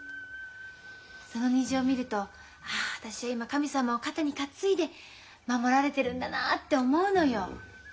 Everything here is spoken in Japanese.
その虹を見るとあ私今神様を肩に担いで守られてるんだなって思うのよ。